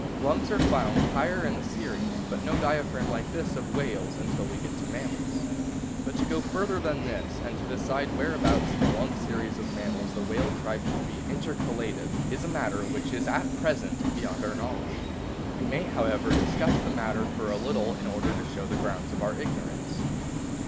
Lungs are found higher in the series, but no diaphragm like that of whales until we get to mammals. But to go further than this, and to decide where abouts in the longr series of mammals the whale tribe o should be intercalated, is a matter which is at present beyond our knowledge. We may, however, discuss the matter for a little in order to show the grounds of our ignorance.